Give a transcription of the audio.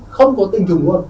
không có tinh chứng quân